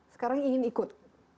sekarang ingin ikut